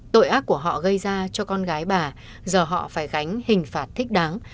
tội ác của họ gây ra cho con gái bà giờ họ phải gánh hình phạt thích đáng